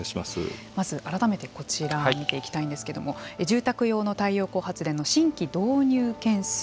まず改めてこちらを見ていきたいんですけども住宅用の太陽光発電の新規導入件数。